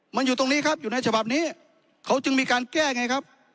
มันอยู่ตรงนี้ครับอยู่ในฉบับนี้เขาจึงมีการแก้ไงครับ